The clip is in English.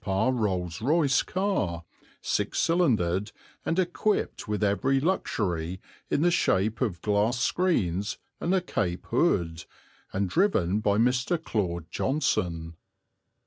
p. Rolls Royce car, six cylindered and equipped with every luxury in the shape of glass screens and a cape hood, and driven by Mr. Claude Johnson.